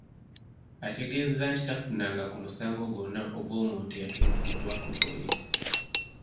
Ategeezezza nti tafunanga ku musango gwonna ogw'omuntu eyatulugunyizibwako poliisi.